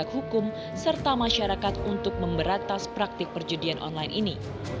penegak hukum serta masyarakat untuk memberatas praktik perjudian online ini